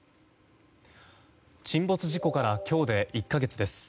沈没事故から今日で１か月です。